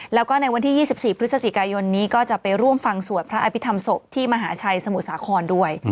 แล้วก็ในวันที่๒๔พฤศจิกายนนี้ก็จะไปร่วมฟังสวดพระอภิษฐรรมศพที่มหาชัยสมุทรสาครด้วย